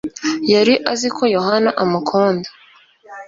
yari azi ko yohana amukunda